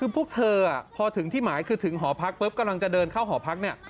พวกเธอพอถึงหอพักกำลังกำลังจะเดินเข้าหอพัก